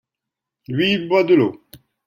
lui, il boit de l'eau.